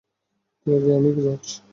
ত্যাগী, আমি জজ।